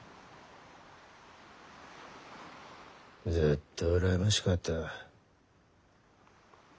ずっと羨ましかった。